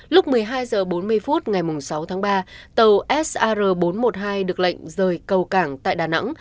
lúc một mươi hai h bốn mươi phút ngày sáu tháng ba tàu sar bốn trăm một mươi hai được lệnh rời cầu cảng tại đà nẵng